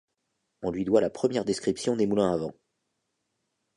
On lui doit la première description des moulins à vent.